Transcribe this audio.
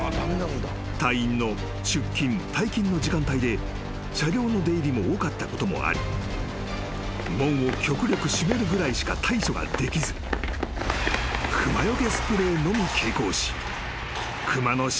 ［隊員の出勤退勤の時間帯で車両の出入りも多かったこともあり門を極力閉めるぐらいしか対処ができず熊よけスプレーのみ携行し熊の侵入に備えた］